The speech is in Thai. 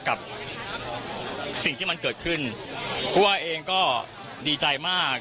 กับสิ่งที่มันเกิดขึ้นผู้ว่าเองก็ดีใจมาก